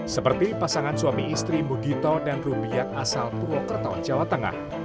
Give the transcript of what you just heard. seperti pasangan suami istri mugito dan rubiak asal purwokerto jawa tengah